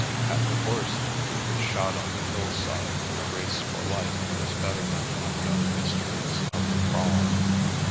At the worst, a clean shot on the hillside in a race for life was better than the unknown mysteries of the kraal.